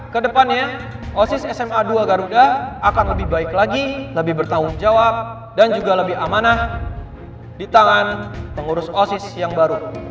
kedepannya osis sma dua garuda akan lebih baik lagi lebih bertanggung jawab dan juga lebih amanah di tangan pengurus osis yang baru